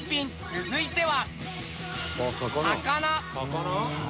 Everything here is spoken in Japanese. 続いては。